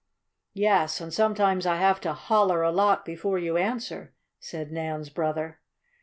"Yes, and sometimes I have to 'holler' a lot before you answer," said Nan's brother.